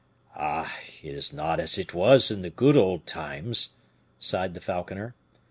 "Ah! it is not as it was in the good old times," sighed the falconer.